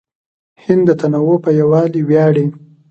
هند د تنوع په یووالي ویاړي.